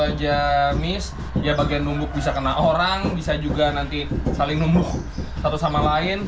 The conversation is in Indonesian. aja miss dia bagian nunggu bisa kena orang bisa juga nanti saling nunggu satu sama lain